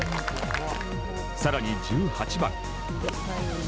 さらに１８番。